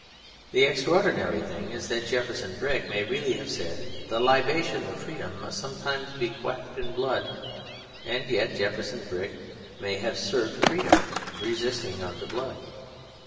The extraordinary thing is that Jefferson Brick may really have said, 'The libation of freedom must sometimes be quaffed in blood,' and yet Jefferson Brick may have served freedom, resisting unto blood.